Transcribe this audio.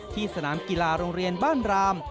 สนามกีฬาโรงเรียนบ้านราม